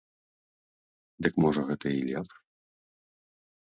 Дык можа гэта і лепш.